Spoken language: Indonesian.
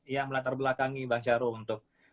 yang melatar belakangi mbak syaro untuk